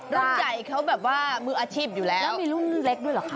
รุ่นใหญ่เขาแบบว่ามืออาชีพอยู่แล้วแล้วมีรุ่นเล็กด้วยเหรอคะ